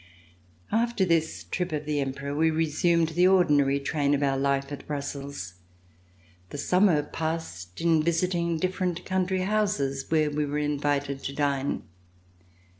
C 360 ] VISIT OF THE EMPEROR After this trip of the Emperor, we resumed the ordinary train of our life at lirussels. The summer passed in visiting different country houses where we were invited to dine.